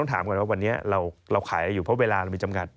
ถามก่อนว่าวันนี้เราขายอะไรอยู่เพราะเวลาเรามีจำกัด